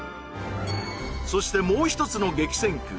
そしてもう一つの激戦区